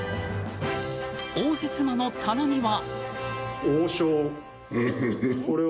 応接間の棚には。